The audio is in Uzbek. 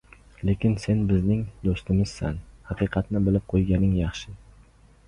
Lekin sen bizning doʻstimizsan, haqiqatni bilib qoʻyganing yaxshi.